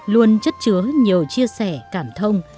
luôn chất chứa nhiều chia sẻ cảm thông